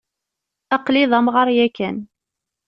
Aql-i d amɣar yakan.